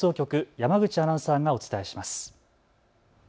山口アナウンサーがお伝えします。